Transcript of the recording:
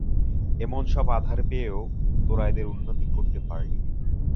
এমন সব আধার পেয়েও তোরা এদের উন্নতি করতে পারলিনি।